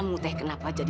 mau tante tapi